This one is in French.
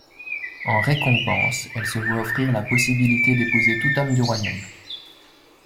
En récompense, elle se voit offrir la possibilité d’épouser tout homme du royaume.